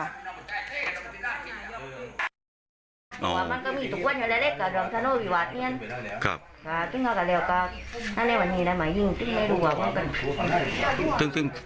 ดูที่บ้านค่ะดูแล้วตั้งกับผม